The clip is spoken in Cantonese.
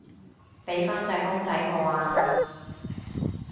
畀返隻公仔我啊